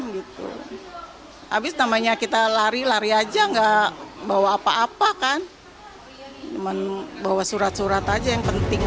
gitu habis namanya kita lari lari aja enggak bawa apa apa kan cuman bawa surat surat aja yang penting